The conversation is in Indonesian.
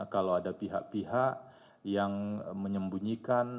kalau ada pihak pihak yang menyembunyikan